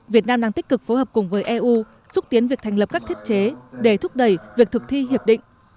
việt nam đang tích cực phối hợp cùng với eu xúc tiến việc thành lập các thiết chế để thúc đẩy việc thực thi hiệp định